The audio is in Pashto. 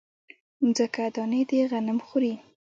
مځکه دانې د غنم خوري